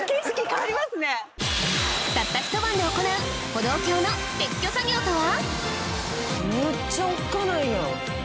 たったひと晩で行う歩道橋の撤去作業とは？